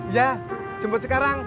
ya jemput sekarang